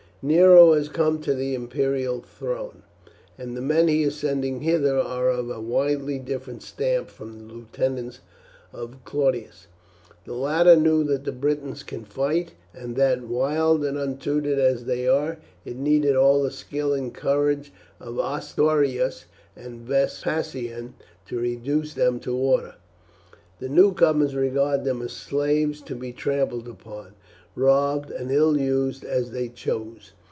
"Nero has come to the imperial throne, and the men he is sending hither are of a widely different stamp from the lieutenants of Claudius. The latter knew that the Britons can fight, and that, wild and untutored as they are, it needed all the skill and courage of Ostorius and Vespasian to reduce them to order. The newcomers regard them as slaves to be trampled upon, robbed, and ill used as they choose.